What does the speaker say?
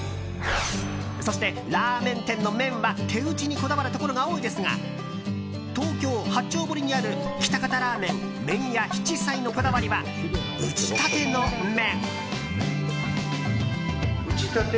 そしてラーメン店の麺は手打ちにこだわるところが多いですが東京・八丁堀にある喜多方ラーメン麺や七彩のこだわりは打ちたての麺。